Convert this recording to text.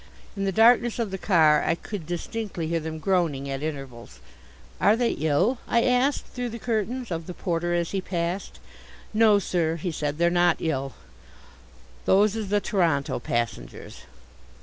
In the darkness of the car I could distinctly hear them groaning at intervals. "Are they ill?" I asked, through the curtains, of the porter as he passed. "No, sir," he said, "they're not ill. Those is the Toronto passengers."